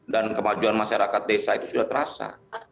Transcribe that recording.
dan kemajuan masyarakat desa itu sudah terasa